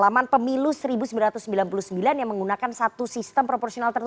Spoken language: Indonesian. pengalaman pemilu seribu sembilan ratus sembilan puluh sembilan yang menggunakan satu sistem proporsional tertutup